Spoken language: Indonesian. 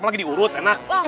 apalagi diurut enak